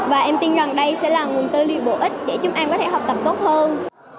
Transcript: và em tin rằng đây sẽ là nguồn tơ ly bổ ích để chúng em có thể học tập tốt hơn